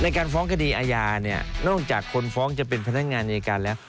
การฟ้องคดีอาญาเนี่ยนอกจากคนฟ้องจะเป็นพนักงานอายการแล้ว